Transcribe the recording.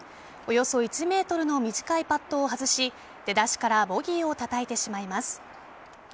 およそ１ｍの短いパットを外し出だしからボギーをたたいてしまいます。